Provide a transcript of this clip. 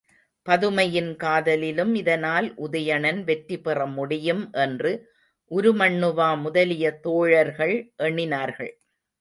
பதுமையின் காதலிலும் இதனால் உதயணன் வெற்றி பெற முடியும் என்று உருமண்ணுவா முதலிய தோழர்கள் எண்ணினார்கள்.